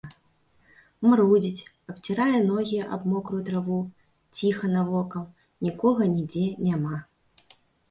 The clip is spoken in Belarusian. Марудзіць, абцірае ногі аб мокрую траву, ціха навокал, нікога нідзе няма.